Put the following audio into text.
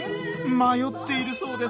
迷っているそうです。